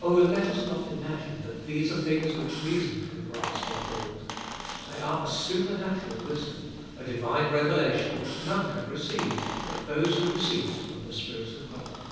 Oh, let us not imagine that these are things which reason can grasp or hold ; they are a supernatural wisdom, a divine revelation which none can receive but those who receive it from the Spirit of God.